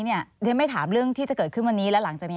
ฉันไม่ถามเรื่องที่จะเกิดขึ้นวันนี้และหลังจากนี้